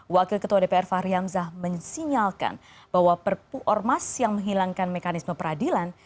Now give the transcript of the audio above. wakil ketua dpr fahri hamzah mensinyalkan bahwa perpu ormas yang menghilangkan mekanisme peradilan